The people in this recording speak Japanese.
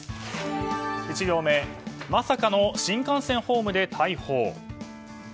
１行目まさかの新幹線ホームで逮捕！